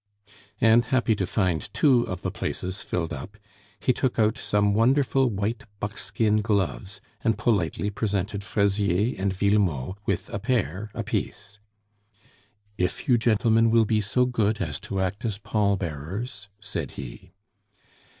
And, happy to find two of the places filled up, he took out some wonderful white buckskin gloves, and politely presented Fraisier and Villemot with a pair apiece. "If you gentlemen will be so good as to act as pall bearers " said he.